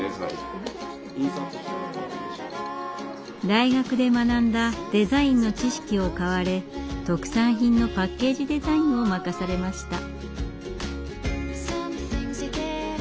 大学で学んだデザインの知識を買われ特産品のパッケージデザインを任されました。